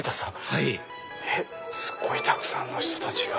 はいすごいたくさんの人たちが。